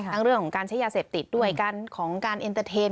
เรื่องของการใช้ยาเสพติดด้วยการของการเอ็นเตอร์เทน